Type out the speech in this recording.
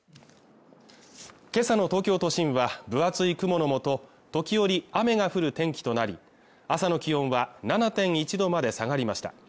今朝の東京都心は分厚い雲の下時折雨が降る天気となり朝の気温は７．１度まで下がりました